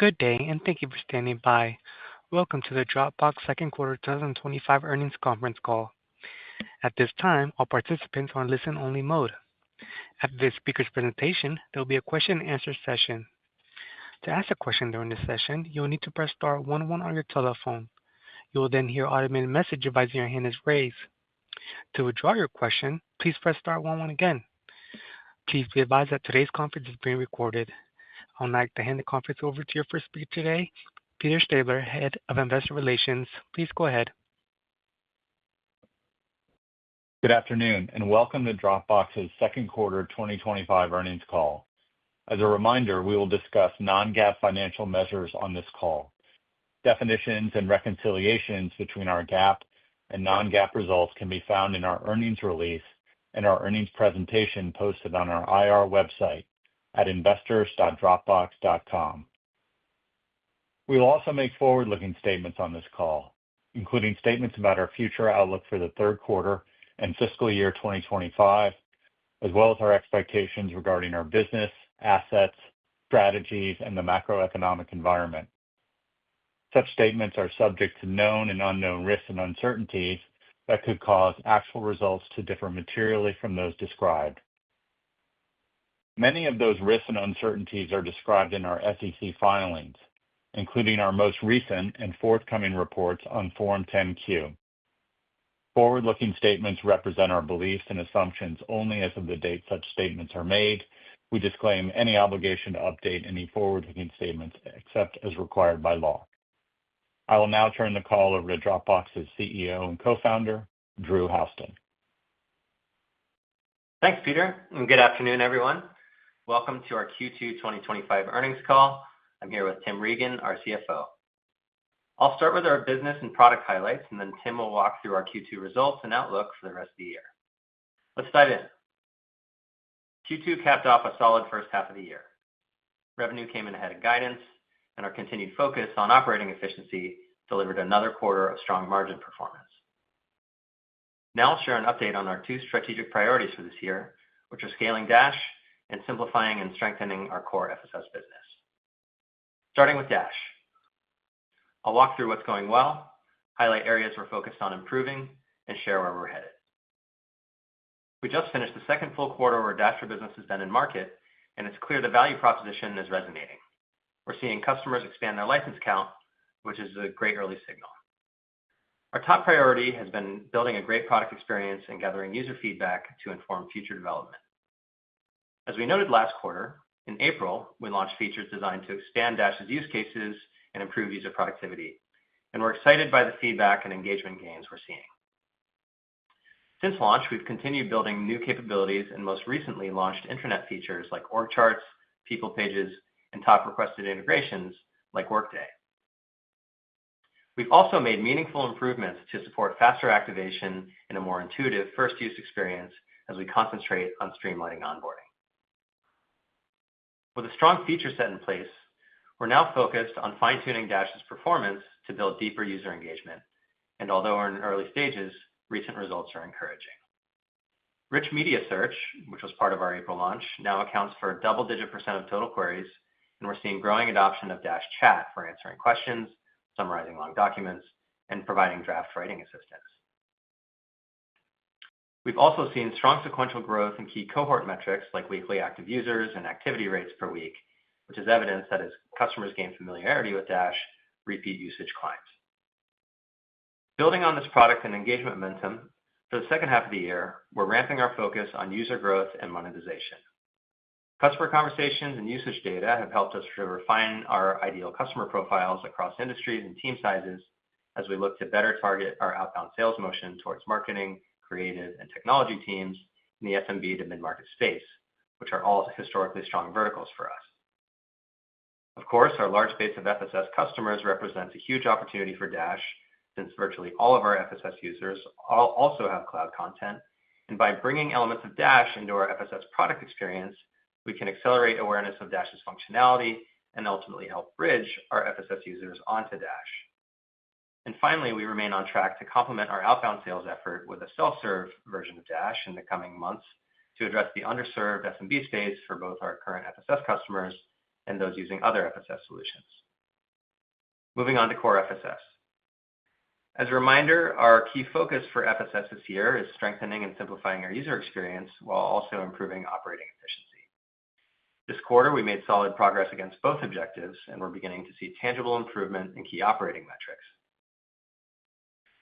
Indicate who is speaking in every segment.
Speaker 1: Good day, and thank you for standing by. Welcome to the Dropbox Second Quarter 2025 Earnings Conference Call. At this time, all participants are in listen-only mode. After this speaker's presentation, there will be a question-and-answer session. To ask a question during this session, you'll need to press star one one on your telephone. You will then hear an automated message advising your hand is raised. To withdraw your question, please press star one one again. Please be advised that today's conference is being recorded. I would like to hand the conference over to your first speaker today, Peter Stabler, Head of Investor Relations. Please go ahead.
Speaker 2: Good afternoon, and welcome to Dropbox's Second Quarter 2025 Earnings Call. As a reminder, we will discuss non-GAAP financial measures on this call. Definitions and reconciliations between our GAAP and non-GAAP results can be found in our earnings release and our earnings presentation posted on our IR website at investors.dropbox.com. We will also make forward-looking statements on this call, including statements about our future outlook for the third quarter and fiscal year 2025, as well as our expectations regarding our business, assets, strategies, and the macroeconomic environment. Such statements are subject to known and unknown risks and uncertainties that could cause actual results to differ materially from those described. Many of those risks and uncertainties are described in our SEC filings, including our most recent and forthcoming reports on Form 10-Q. Forward-looking statements represent our beliefs and assumptions only as of the date such statements are made. We disclaim any obligation to update any forward-looking statements except as required by law. I will now turn the call over to Dropbox's CEO and Co-founder, Drew Houston.
Speaker 3: Thanks, Peter, and good afternoon, everyone. Welcome to our Q2 2025 Earnings Call. I'm here with Tim Regan, our CFO. I'll start with our business and product highlights, and then Tim will walk through our Q2 results and outlook for the rest of the year. Let's dive in. Q2 capped off a solid first half of the year. Revenue came in ahead of guidance, and our continued focus on operating efficiency delivered another quarter of strong margin performance. Now I'll share an update on our two strategic priorities for this year, which are scaling Dash and simplifying and strengthening our core FSS business. Starting with Dash. I'll walk through what's going well, highlight areas we're focused on improving, and share where we're headed. We just finished the second full quarter where Dash for business has been in market, and it's clear the value proposition is resonating. We're seeing customers expand their license count, which is a great early signal. Our top priority has been building a great product experience and gathering user feedback to inform future development. As we noted last quarter, in April, we launched features designed to expand Dash's use cases and improve user productivity, and we're excited by the feedback and engagement gains we're seeing. Since launch, we've continued building new capabilities and most recently launched intranet features like org charts, people pages, and top requested integrations like Workday. We've also made meaningful improvements to support faster activation and a more intuitive first-use experience as we concentrate on streamlining onboarding. With a strong feature set in place, we're now focused on fine-tuning Dash's performance to build deeper user engagement, and although we're in early stages, recent results are encouraging. Rich media search, which was part of our April launch, now accounts for a double-digit percent of total queries, and we're seeing growing adoption of Dash chat for answering questions, summarizing long documents, and providing draft writing assistance. We've also seen strong sequential growth in key cohort metrics like weekly active users and activity rates per week, which is evidence that as customers gain familiarity with Dash, repeat usage climbs. Building on this product and engagement momentum, for the second half of the year, we're ramping our focus on user growth and monetization. Customer conversations and usage data have helped us to refine our ideal customer profiles across industries and team sizes as we look to better target our outbound sales motion towards marketing, creative, and technology teams in the FMB to mid-market space, which are all historically strong verticals for us. Of course, our large base of FSS customers represents a huge opportunity for Dash since virtually all of our FSS users also have cloud content, and by bringing elements of Dash into our FSS product experience, we can accelerate awareness of Dash's functionality and ultimately help bridge our FSS users onto Dash. Finally, we remain on track to complement our outbound sales effort with a self-serve version of Dash in the coming months to address the underserved FMB space for both our current FSS customers and those using other FSS solutions. Moving on to core FSS. As a reminder, our key focus for FSS this year is strengthening and simplifying our user experience while also improving operating efficiency. This quarter, we made solid progress against both objectives, and we're beginning to see tangible improvement in key operating metrics.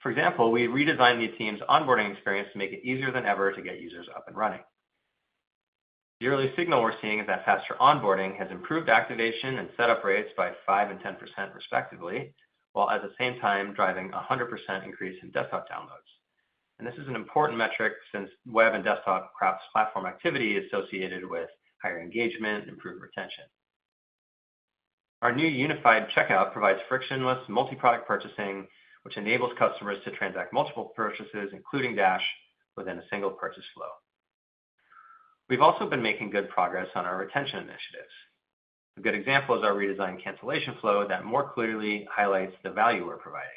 Speaker 3: For example, we redesigned the team's onboarding experience to make it easier than ever to get users up and running. The early signal we're seeing is that faster onboarding has improved activation and setup rates by 5% and 10% respectively, while at the same time driving a 100% increase in desktop downloads. This is an important metric since web and desktop cross-platform activity is associated with higher engagement and improved retention. Our new unified checkout provides frictionless multi-product purchasing, which enables customers to transact multiple purchases, including Dash, within a single purchase flow. We've also been making good progress on our retention initiatives. A good example is our redesigned cancellation flow that more clearly highlights the value we're providing.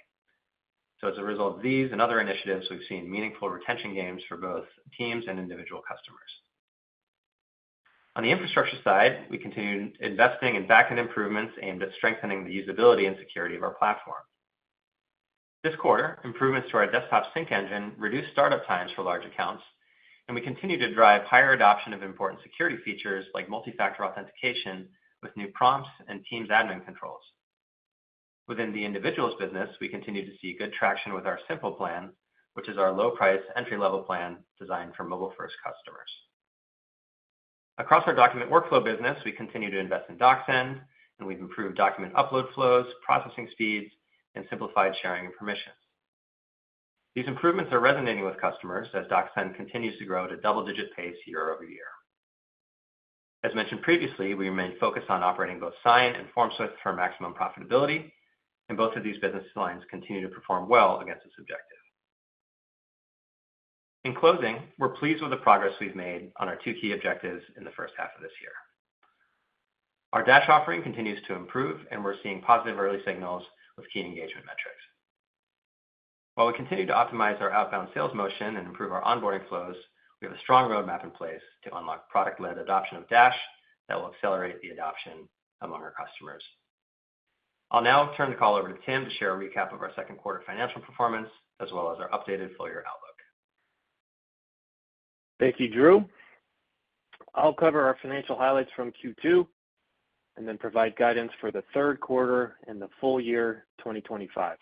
Speaker 3: As a result of these and other initiatives, we've seen meaningful retention gains for both teams and individual customers. On the infrastructure side, we continue investing in backend improvements aimed at strengthening the usability and security of our platform. This quarter, improvements to our desktop sync engine reduced startup times for large accounts, and we continue to drive higher adoption of important security features like multi-factor authentication with new prompts and Teams admin controls. Within the individuals' business, we continue to see good traction with our Simple plan, which is our low-price entry-level plan designed for mobile-first customers. Across our document workflow business, we continue to invest in DocSend, and we've improved document upload flows, processing speeds, and simplified sharing of permissions. These improvements are resonating with customers as DocSend continues to grow at a double-digit pace year over year. As mentioned previously, we remain focused on operating both Sign and FormSwift for maximum profitability, and both of these business lines continue to perform well against this objective. In closing, we're pleased with the progress we've made on our two key objectives in the first half of this year. Our Dash offering continues to improve, and we're seeing positive early signals with key engagement metrics. While we continue to optimize our outbound sales motion and improve our onboarding flows, we have a strong roadmap in place to unlock product-led adoption of Dash that will accelerate the adoption among our customers. I'll now turn the call over to Tim to share a recap of our second quarter financial performance, as well as our updated full-year outlook.
Speaker 4: Thank you, Drew. I'll cover our financial highlights from Q2 and then provide guidance for the third quarter and the full year 2025.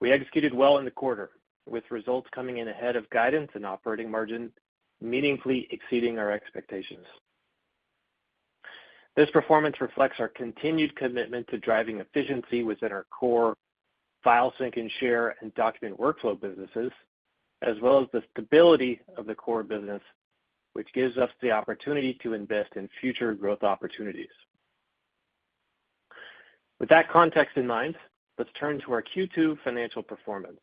Speaker 4: We executed well in the quarter, with results coming in ahead of guidance and operating margin meaningfully exceeding our expectations. This performance reflects our continued commitment to driving efficiency within our core file sync and share and document workflow businesses, as well as the stability of the core business, which gives us the opportunity to invest in future growth opportunities. With that context in mind, let's turn to our Q2 financial performance.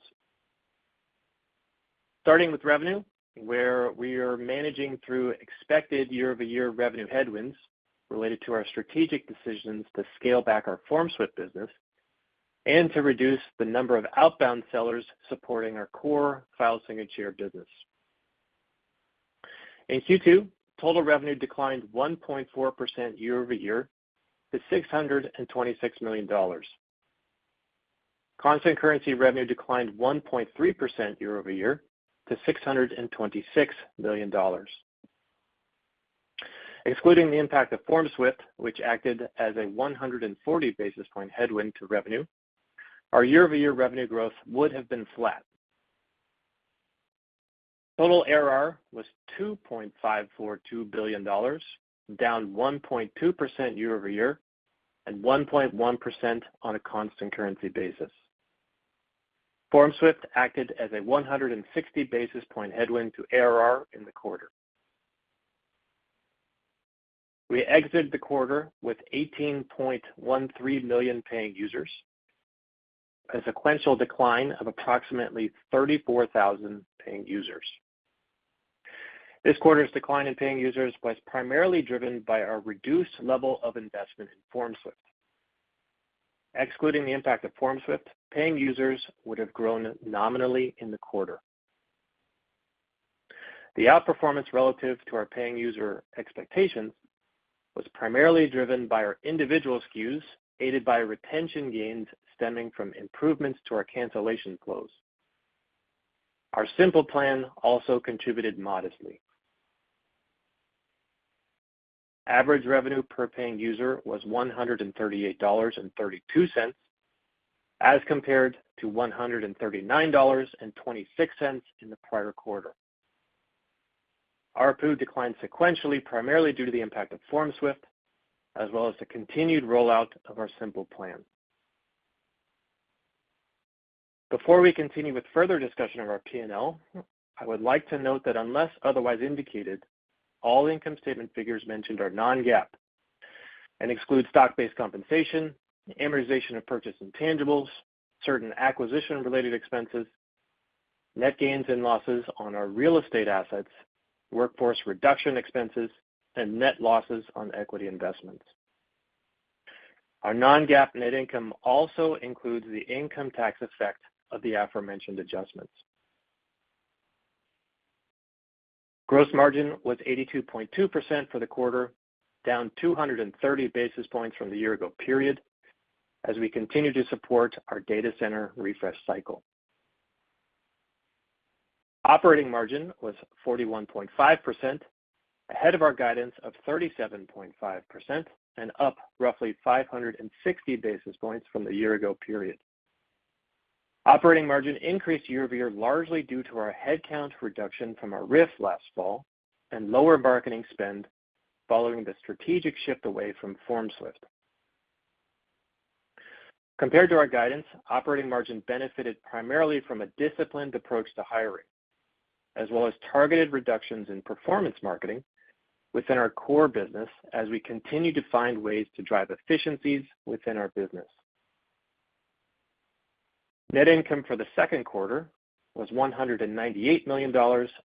Speaker 4: Starting with revenue, where we are managing through expected year-over-year revenue headwinds related to our strategic decisions to scale back our FormSwift business and to reduce the number of outbound sellers supporting our core file sync and share business. In Q2, total revenue declined 1.4% year over year to $626 million. Constant currency revenue declined 1.3% year over year to $626 million. Excluding the impact of FormSwift, which acted as a 140 basis point headwind to revenue, our year-over-year revenue growth would have been flat. Total ARR was $2.542 billion, down 1.2% year over year and 1.1% on a constant currency basis. FormSwift acted as a 160 basis point headwind to ARR in the quarter. We exited the quarter with 18.13 million paying users and a sequential decline of approximately 34,000 paying users. This quarter's decline in paying users was primarily driven by our reduced level of investment in FormSwift. Excluding the impact of FormSwift, paying users would have grown nominally in the quarter. The outperformance relative to our paying user expectations was primarily driven by our individual SKUs, aided by retention gains stemming from improvements to our cancellation flows. Our Simple plan also contributed modestly. Average revenue per paying user was $138.32 as compared to $139.26 in the prior quarter. ARPU declined sequentially, primarily due to the impact of FormSwift, as well as the continued rollout of our Simple plan. Before we continue with further discussion of our P&L, I would like to note that unless otherwise indicated, all income statement figures mentioned are non-GAAP and exclude stock-based compensation, amortization of purchase intangibles, certain acquisition-related expenses, net gains and losses on our real estate assets, workforce reduction expenses, and net losses on equity investments. Our non-GAAP net income also includes the income tax effect of the aforementioned adjustments. Gross margin was 82.2% for the quarter, down 230 basis points from the year ago period, as we continue to support our data center refresh cycle. Operating margin was 41.5%, ahead of our guidance of 37.5% and up roughly 560 basis points from the year ago period. Operating margin increased year over year largely due to our headcount reduction from our RIF last fall and lower marketing spend following the strategic shift away from FormSwift. Compared to our guidance, operating margin benefited primarily from a disciplined approach to hiring, as well as targeted reductions in performance marketing within our core business as we continue to find ways to drive efficiencies within our business. Net income for the second quarter was $198 million,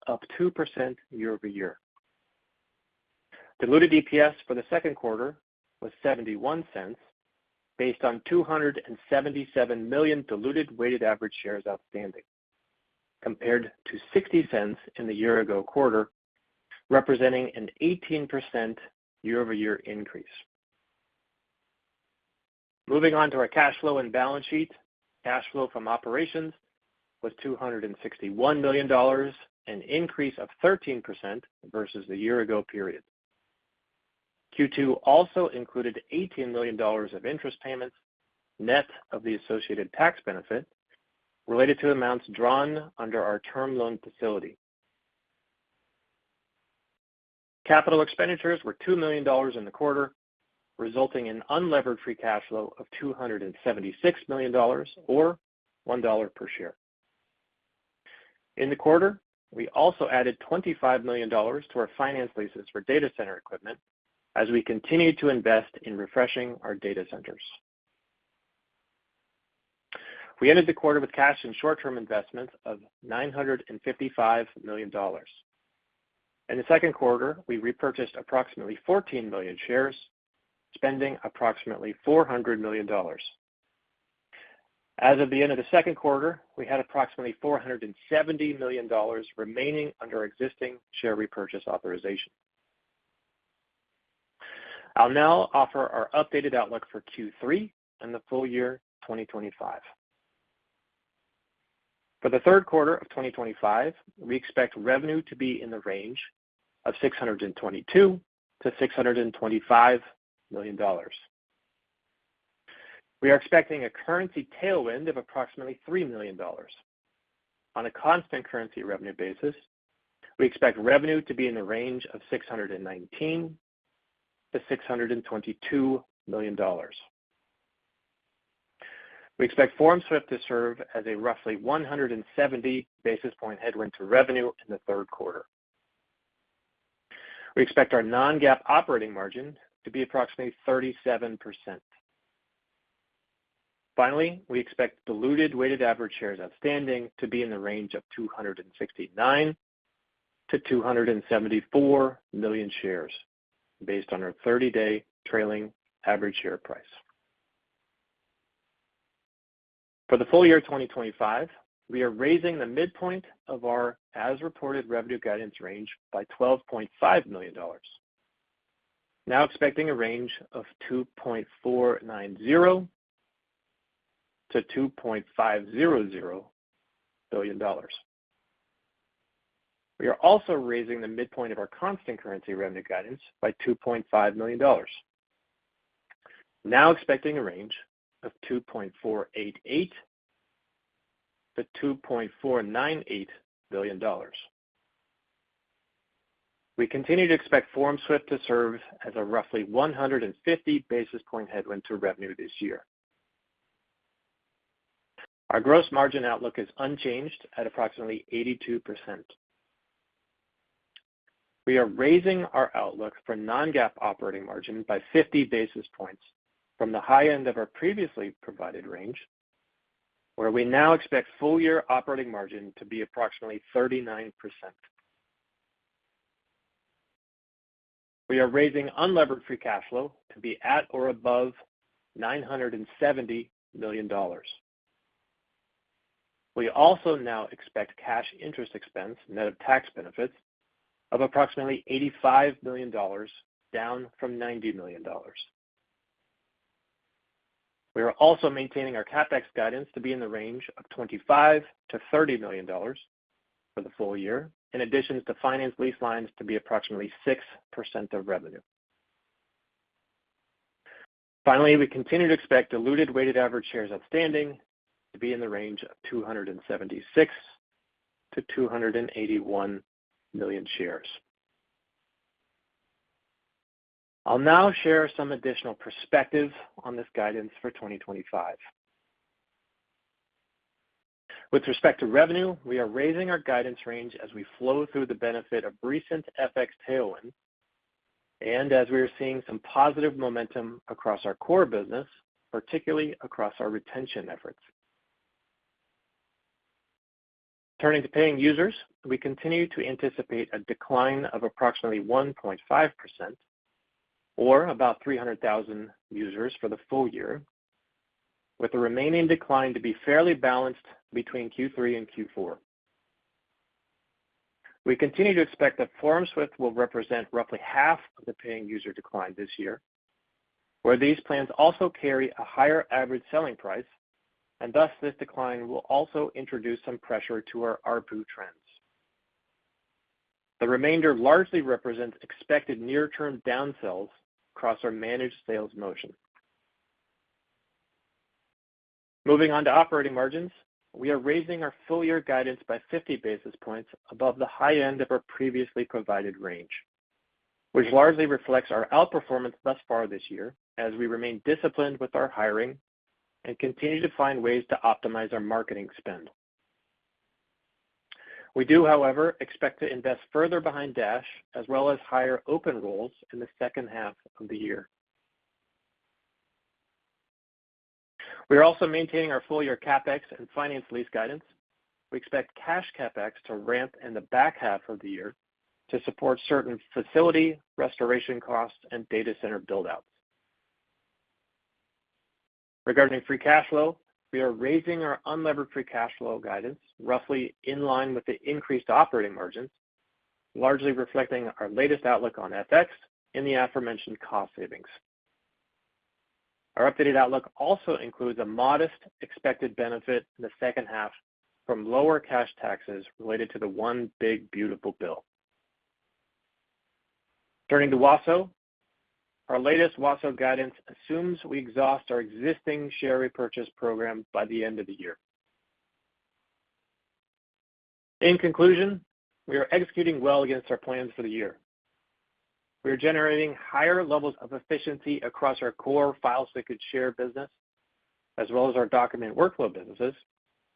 Speaker 4: up 2% year over year. Diluted EPS for the second quarter was $0.71, based on 277 million diluted weighted average shares outstanding, compared to $0.60 in the year ago quarter, representing an 18% year-over-year increase. Moving on to our cash flow and balance sheet, cash flow from operations was $261 million, an increase of 13% versus the year ago period. Q2 also included $18 million of interest payments, net of the associated tax benefit, related to amounts drawn under our term loan facility. Capital expenditures were $2 million in the quarter, resulting in unleveraged free cash flow of $276 million, or $1 per share. In the quarter, we also added $25 million to our finance leases for data center equipment as we continue to invest in refreshing our data centers. We ended the quarter with cash and short-term investments of $955 million. In the second quarter, we repurchased approximately 14 million shares, spending approximately $400 million. As of the end of the second quarter, we had approximately $470 million remaining under existing share repurchase authorization. I'll now offer our updated outlook for Q3 and the full year 2025. For the third quarter of 2025, we expect revenue to be in the range of $622 million-$625 million. We are expecting a currency tailwind of approximately $3 million. On a constant currency revenue basis, we expect revenue to be in the range of $619 million-$622 million. We expect FormSwift to serve as a roughly 170 basis point headwind to revenue in the third quarter. We expect our non-GAAP operating margin to be approximately 37%. Finally, we expect diluted weighted average shares outstanding to be in the range of 269 million-274 million shares, based on our 30-day trailing average share price. For the full year 2025, we are raising the midpoint of our as-reported revenue guidance range by $12.5 million, now expecting a range of $2.490 billion-$2.500 billion. We are also raising the midpoint of our constant currency revenue guidance by $2.5 million, now expecting a range of $2.488 million-$2.498 billion. We continue to expect FormSwift to serve as a roughly 150 basis point headwind to revenue this year. Our gross margin outlook is unchanged at approximately 82%. We are raising our outlook for non-GAAP operating margin by 50 basis points from the high end of our previously provided range, where we now expect full-year operating margin to be approximately 39%. We are raising unleveraged free cash flow to be at or above $970 million. We also now expect cash interest expense net of tax benefits of approximately $85 million, down from $90 million. We are also maintaining our CapEx guidance to be in the range of $25 million-$30 million for the full year, in addition to finance lease lines to be approximately 6% of revenue. Finally, we continue to expect diluted weighted average shares outstanding to be in the range of 276 million-281 million shares. I'll now share some additional perspective on this guidance for 2025. With respect to revenue, we are raising our guidance range as we flow through the benefit of recent FX tailwind and as we are seeing some positive momentum across our core business, particularly across our retention efforts. Turning to paying users, we continue to anticipate a decline of approximately 1.5% or about 300,000 users for the full year, with the remaining decline to be fairly balanced between Q3 and Q4. We continue to expect that FormSwift will represent roughly half of the paying user decline this year, where these plans also carry a higher average selling price, and thus this decline will also introduce some pressure to our ARPU trends. The remainder largely represents expected near-term downsells across our managed sales motion. Moving on to operating margins, we are raising our full-year guidance by 50 basis points above the high end of our previously provided range, which largely reflects our outperformance thus far this year as we remain disciplined with our hiring and continue to find ways to optimize our marketing spend. We do, however, expect to invest further behind Dash, as well as hire open roles in the second half of the year. We are also maintaining our full-year CapEx and finance lease guidance. We expect cash CapEx to ramp in the back half of the year to support certain facility restoration costs and data center build-outs. Regarding free cash flow, we are raising our unleveraged free cash flow guidance roughly in line with the increased operating margins, largely reflecting our latest outlook on FX in the aforementioned cost savings. Our updated outlook also includes a modest expected benefit in the second half from lower cash taxes related to the One Big Beautiful Bill. Turning to WASO, our latest WASO guidance assumes we exhaust our existing share repurchase program by the end of the year. In conclusion, we are executing well against our plans for the year. We are generating higher levels of efficiency across our core file sync and share business, as well as our document workflow businesses,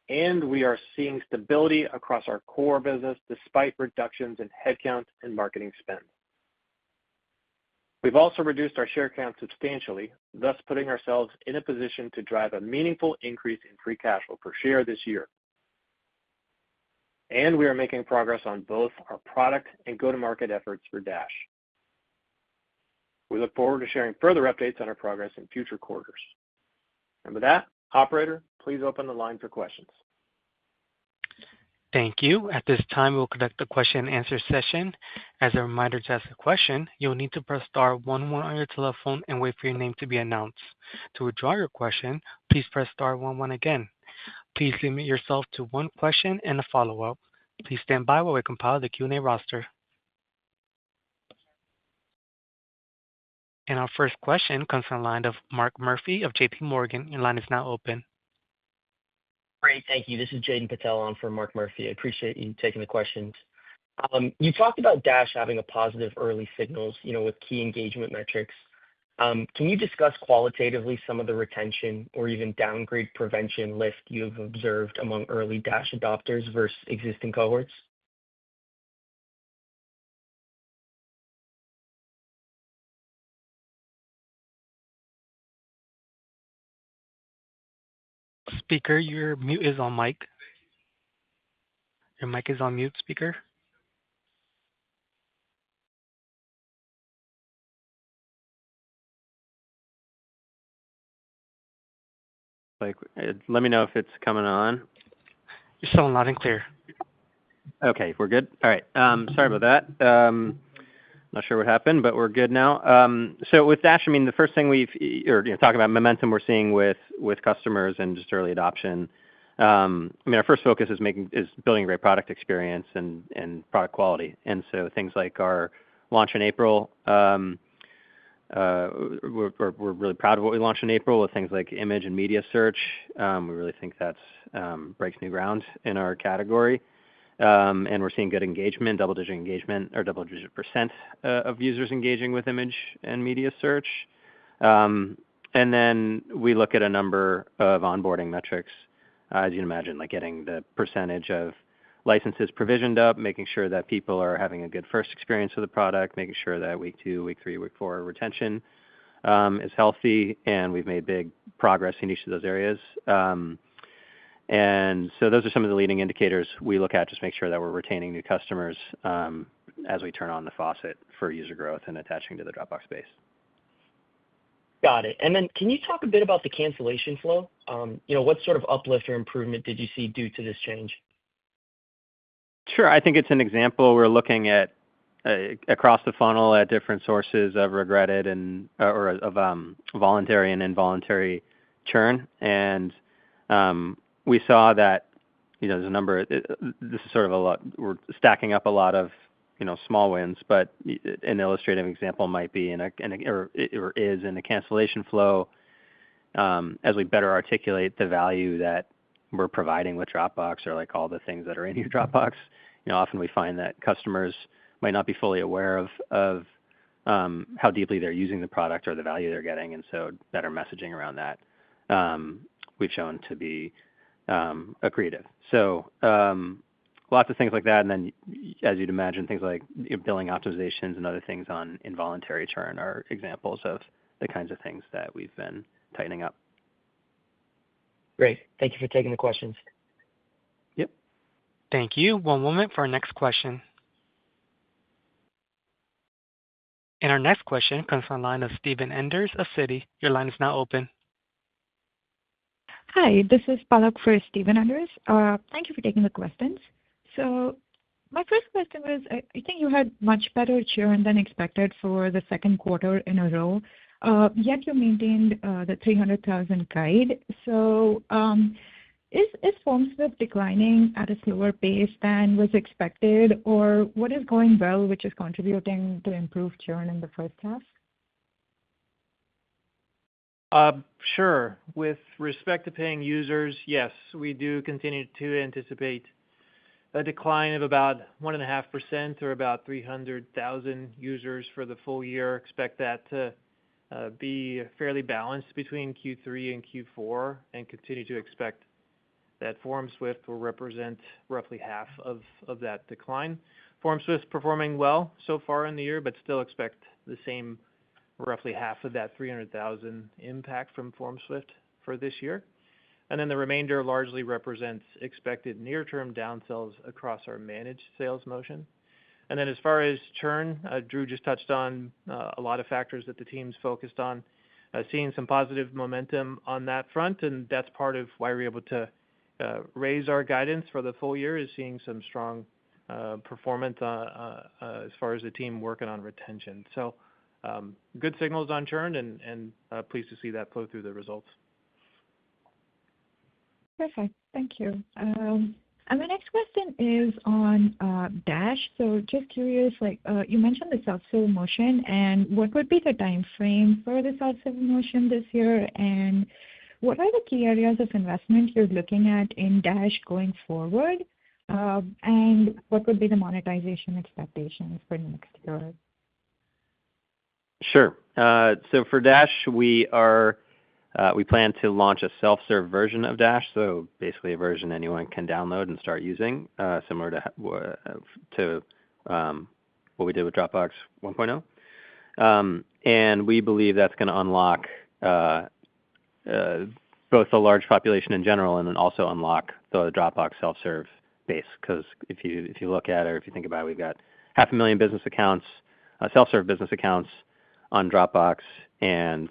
Speaker 4: and we are seeing stability across our core business despite reductions in headcount and marketing spend. We have also reduced our share count substantially, thus putting ourselves in a position to drive a meaningful increase in free cash flow per share this year. We are making progress on both our product and go-to-market efforts for Dash. We look forward to sharing further updates on our progress in future quarters. With that, operator, please open the line for questions.
Speaker 1: Thank you. At this time, we'll conduct the question-and-answer session. As a reminder, to ask a question, you'll need to press star one one on your telephone and wait for your name to be announced. To withdraw your question, please press star one one again. Please limit yourself to one question and a follow-up. Please stand by while we compile the Q&A roster. Our first question comes from the line of Mark Murphy of JPMorgan, and the line is now open.
Speaker 5: Great, thank you. This is Jaiden Patel on for Mark Murphy. I appreciate you taking the questions. You talked about Dash having positive early signals, you know, with key engagement metrics. Can you discuss qualitatively some of the retention or even downgrade prevention lift you've observed among early Dash adopters versus existing cohorts?
Speaker 1: Your mic is on mute, speaker.
Speaker 3: Let me know if it's coming on.
Speaker 1: You're still not in the clear.
Speaker 3: Okay, we're good. All right. Sorry about that. I'm not sure what happened, but we're good now. With Dash, the first thing we've, or you're talking about momentum we're seeing with customers and just early adoption. Our first focus is building great product experience and product quality. Things like our launch in April, we're really proud of what we launched in April with things like image and media search. We really think that breaks new ground in our category. We're seeing good engagement, double-digit percent of users engaging with image and media search. We look at a number of onboarding metrics, as you can imagine, like getting the percentage of licenses provisioned up, making sure that people are having a good first experience with the product, making sure that week two, week three, week four retention is healthy, and we've made big progress in each of those areas. Those are some of the leading indicators we look at to make sure that we're retaining new customers as we turn on the faucet for user growth and attaching to the Dropbox base.
Speaker 5: Got it. Can you talk a bit about the cancellation flow? What sort of uplift or improvement did you see due to this change?
Speaker 3: Sure. I think it's an example we're looking at across the funnel at different sources of regretted and voluntary and involuntary churn. We saw that there's a number of, this is sort of a lot, we're stacking up a lot of small wins, but an illustrative example might be in the cancellation flow as we better articulate the value that we're providing with Dropbox or like all the things that are in your Dropbox. Often we find that customers might not be fully aware of how deeply they're using the product or the value they're getting, and better messaging around that we've shown to be creative. Lots of things like that. As you'd imagine, things like billing optimizations and other things on involuntary churn are examples of the kinds of things that we've been tightening up.
Speaker 5: Great. Thank you for taking the questions.
Speaker 3: Yep.
Speaker 1: Thank you. One moment for our next question. Our next question comes from the line of Steve Enders of Citi. Your line is now open.
Speaker 6: Hi, this is Palak for Steve Enders. Thank you for taking the questions. My first question was, I think you had much better churn than expected for the second quarter in a row. Yet you maintained the 300,000 guide. Is FormSwift declining at a slower pace than was expected, or what is going well which is contributing to improved churn in the first half?
Speaker 4: Sure. With respect to paying users, yes, we do continue to anticipate a decline of about 1.5% or about 300,000 users for the full year. We expect that to be fairly balanced between Q3 and Q4 and continue to expect that FormSwift will represent roughly half of that decline. FormSwift is performing well so far in the year, but still expect the same roughly half of that 300,000 impact from FormSwift for this year. The remainder largely represents expected near-term downsells across our managed sales motion. As far as churn, Drew just touched on a lot of factors that the team's focused on, seeing some positive momentum on that front, and that's part of why we're able to raise our guidance for the full year is seeing some strong performance as far as the team working on retention. Good signals on churn and pleased to see that flow through the results.
Speaker 6: Perfect. Thank you. My next question is on Dash. You mentioned the self-serve launch, and what would be the timeframe for the self-serve launch this year, and what are the key areas of investment you're looking at in Dash going forward, and what would be the monetization expectations for next year?
Speaker 3: Sure. For Dash, we plan to launch a self-serve version of Dash, basically a version anyone can download and start using, similar to what we did with Dropbox 1.0. We believe that's going to unlock both the large population in general and also unlock the Dropbox self-serve base. If you look at it or if you think about it, we've got half a million business accounts, self-serve business accounts on Dropbox, and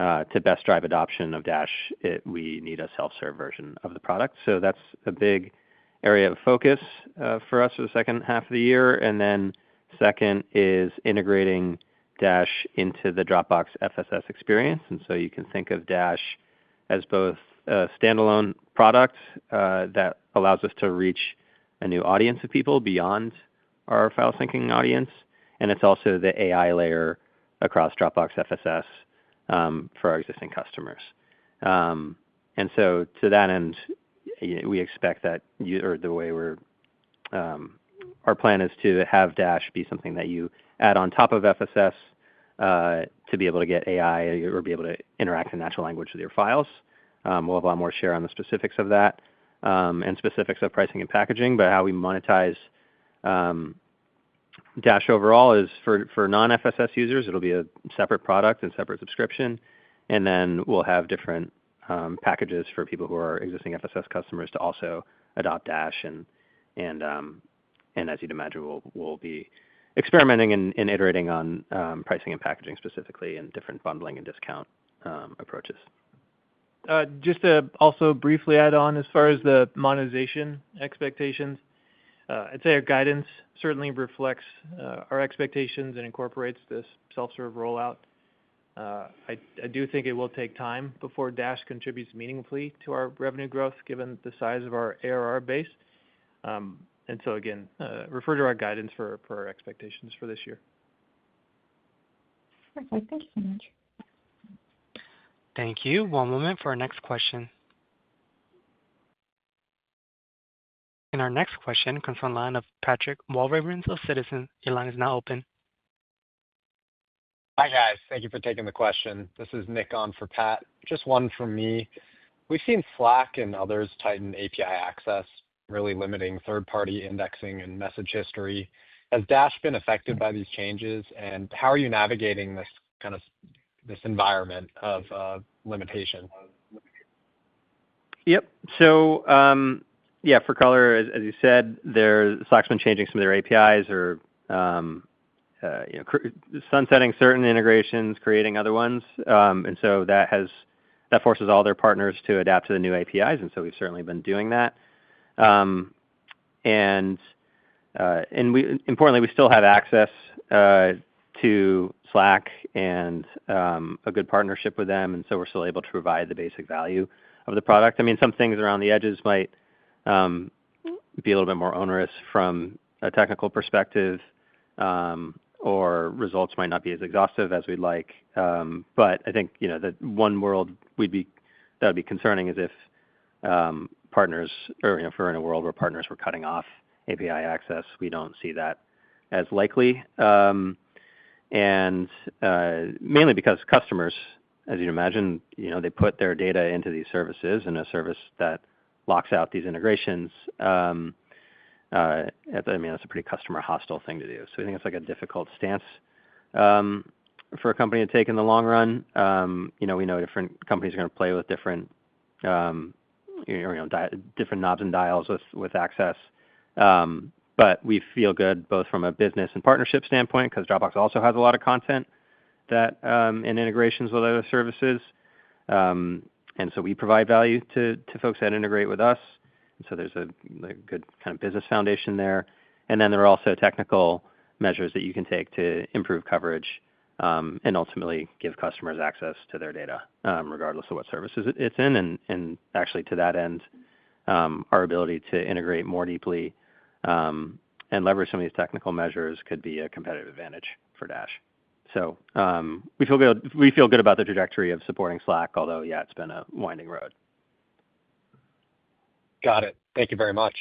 Speaker 3: to best drive adoption of Dash, we need a self-serve version of the product. That's a big area of focus for us for the second half of the year. Second is integrating Dash into the Dropbox FSS experience. You can think of Dash as both a standalone product that allows us to reach a new audience of people beyond our file syncing audience, and it's also the AI layer across Dropbox FSS for our existing customers. To that end, we expect that the way we're, our plan is to have Dash be something that you add on top of FSS to be able to get AI or be able to interact in natural language with your files. We'll have a lot more to share on the specifics of that and specifics of pricing and packaging, but how we monetize Dash overall is for non-FSS users, it'll be a separate product and separate subscription, and then we'll have different packages for people who are existing FSS customers to also adopt Dash. As you'd imagine, we'll be experimenting and iterating on pricing and packaging specifically and different bundling and discount approaches.
Speaker 4: Just to also briefly add on as far as the monetization expectations, I'd say our guidance certainly reflects our expectations and incorporates this self-serve rollout. I do think it will take time before Dash contributes meaningfully to our revenue growth given the size of our ARR base. Again, refer to our guidance for our expectations for this year.
Speaker 6: Perfect. Thank you so much.
Speaker 1: Thank you. One moment for our next question. Our next question comes from the line of Patrick Walravens of Citizens. Your line is now open.
Speaker 7: Hi guys, thank you for taking the question. This is Nick on for Pat. Just one for me. We've seen Slack and others tighten API access, really limiting third-party indexing and message history. Has Dash been affected by these changes, and how are you navigating this kind of environment of limitations?
Speaker 3: Yep. For color, as you said, Slack's been changing some of their APIs or sunsetting certain integrations, creating other ones. That forces all their partners to adapt to the new APIs, and we've certainly been doing that. Importantly, we still have access to Slack and a good partnership with them, so we're still able to provide the basic value of the product. Some things around the edges might be a little bit more onerous from a technical perspective, or results might not be as exhaustive as we'd like. I think that one world that would be concerning is if partners, or if we're in a world where partners were cutting off API access. We don't see that as likely, mainly because customers, as you'd imagine, put their data into these services, and a service that locks out these integrations is a pretty customer-hostile thing to do. I think it's a difficult stance for a company to take in the long run. We know different companies are going to play with different knobs and dials with access. We feel good both from a business and partnership standpoint because Dropbox also has a lot of content and integrations with other services, so we provide value to folks that integrate with us. There's a good kind of business foundation there. There are also technical measures that you can take to improve coverage and ultimately give customers access to their data regardless of what service it's in. Actually, to that end, our ability to integrate more deeply and leverage some of these technical measures could be a competitive advantage for Dash. We feel good about the trajectory of supporting Slack, although it's been a winding road.
Speaker 7: Got it. Thank you very much.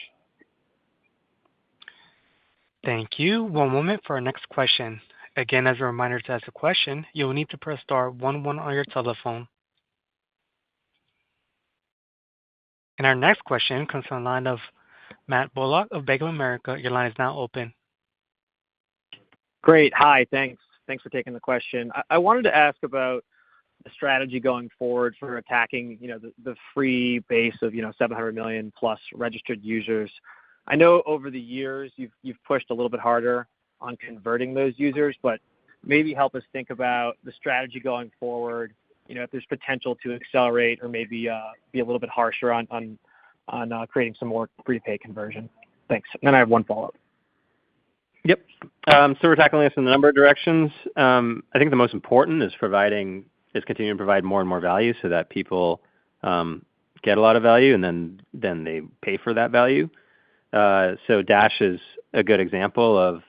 Speaker 1: Thank you. One moment for our next question. As a reminder, to ask a question, you'll need to press *11 on your telephone. Our next question comes from the line of Matt Bullock of Bank of America. Your line is now open.
Speaker 8: Great. Hi, thanks. Thanks for taking the question. I wanted to ask about a strategy going forward for attacking the free base of 700+ million registered users. I know over the years you've pushed a little bit harder on converting those users, but maybe help us think about the strategy going forward, if there's potential to accelerate or maybe be a little bit harsher on creating some more prepaid conversion. Thanks. I have one follow-up.
Speaker 3: Yep. We're tackling this in a number of directions. I think the most important is continuing to provide more and more value so that people get a lot of value and then they pay for that value. Dash is a good example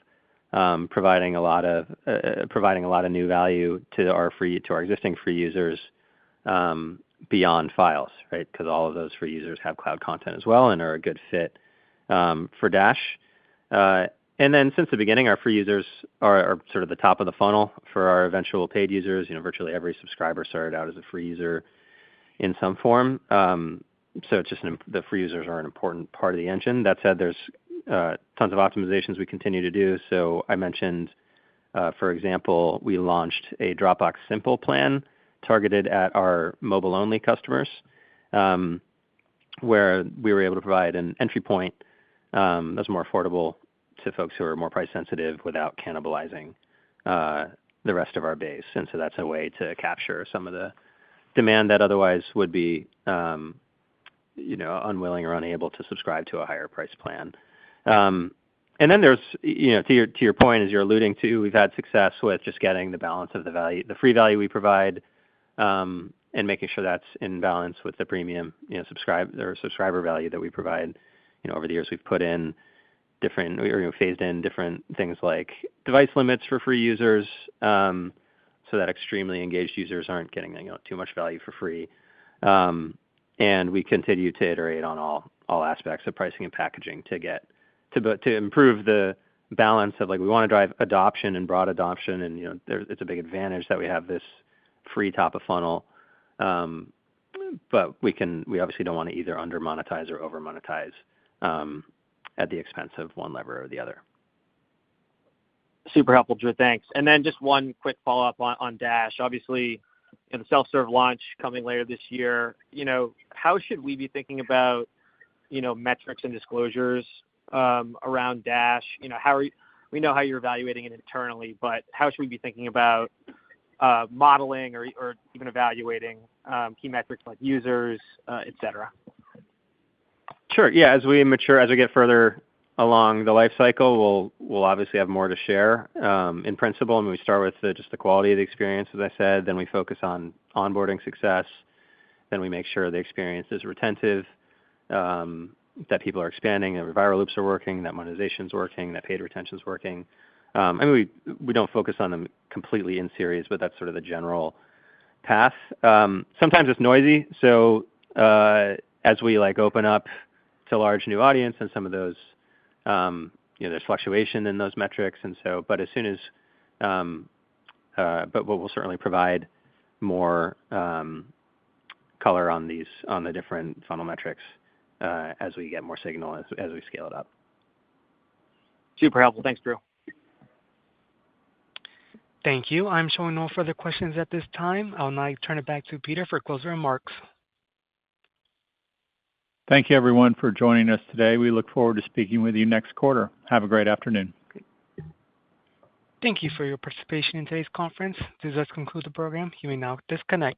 Speaker 3: of providing a lot of new value to our existing free users beyond files, right? All of those free users have cloud content as well and are a good fit for Dash. Since the beginning, our free users are sort of the top of the funnel for our eventual paid users. Virtually every subscriber started out as a free user in some form. The free users are an important part of the engine. That said, there's tons of optimizations we continue to do. For example, we launched a Dropbox Simple plan targeted at our mobile-only customers where we were able to provide an entry point that's more affordable to folks who are more price-sensitive without cannibalizing the rest of our base. That's a way to capture some of the demand that otherwise would be unwilling or unable to subscribe to a higher price plan. To your point, as you're alluding to, we've had success with just getting the balance of the value, the free value we provide and making sure that's in balance with the premium subscriber value that we provide. Over the years we've put in different, or phased in different things like device limits for free users so that extremely engaged users aren't getting too much value for free. We continue to iterate on all aspects of pricing and packaging to improve the balance of like, we want to drive adoption and broad adoption. It's a big advantage that we have this free top of funnel. We obviously don't want to either under-monetize or over-monetize at the expense of one lever or the other.
Speaker 8: Super helpful, Drew. Thanks. Just one quick follow-up on Dash. Obviously, the self-serve launch coming later this year, how should we be thinking about metrics and disclosures around Dash? How are you, we know how you're evaluating it internally, but how should we be thinking about modeling or even evaluating key metrics like users, et cetera?
Speaker 3: Sure. Yeah. As we mature, as we get further along the lifecycle, we'll obviously have more to share in principle. We start with just the quality of the experience, as I said. Then we focus on onboarding success. Then we make sure the experience is retentive, that people are expanding, that revisor loops are working, that monetization is working, that paid retention is working. I mean, we don't focus on them completely in series, but that's sort of the general path. Sometimes it's noisy, as we open up to a large new audience and some of those, you know, there's fluctuation in those metrics. We'll certainly provide more color on these, on the different funnel metrics as we get more signal as we scale it up.
Speaker 8: Super helpful. Thanks, Drew.
Speaker 1: Thank you. I'm showing no further questions at this time. I'll now turn it back to Peter for closing remarks.
Speaker 2: Thank you, everyone, for joining us today. We look forward to speaking with you next quarter. Have a great afternoon.
Speaker 1: Thank you for your participation in today's conference. This does conclude the program. You may now disconnect.